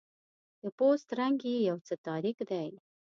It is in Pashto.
د پوست رنګ یې یو څه تاریک دی.